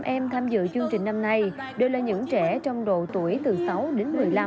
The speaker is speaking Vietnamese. một năm trăm linh em tham dự chương trình năm nay đều là những trẻ trong độ tuổi từ sáu đến một mươi năm